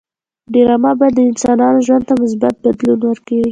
ډرامه باید د انسانانو ژوند ته مثبت بدلون ورکړي